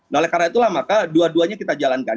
nah oleh karena itulah maka dua duanya kita jalankan